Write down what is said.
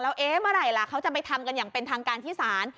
แล้วไหนล้ะเขาจะไปทำกันอย่างเป็นทางการที่สาร